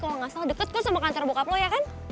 kalau nggak salah deket kok sama kantor bokap lo ya kan